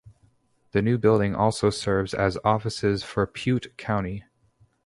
The new building also serves as offices for Piute County.